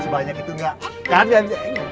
banyak itu gak